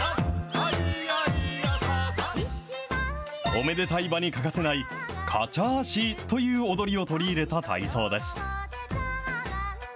おめでたい場に欠かせない、カチャーシーという踊りを取り入れた体操です。